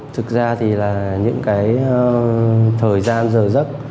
thực ra thì là những cái thời gian giờ giấc